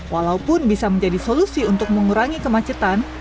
walaupun bisa menjadi solusi untuk mengurangi kemacetan